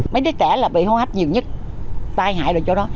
mấy đứa trẻ là bị hô hát nhiều nhất tai hại rồi chỗ đó